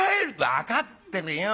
「分かってるよ。